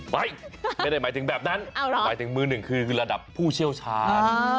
ไม่ได้หมายถึงแบบนั้นหมายถึงมือหนึ่งคือระดับผู้เชี่ยวชาญ